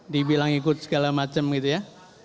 dibilang ikut segala macam gitu ya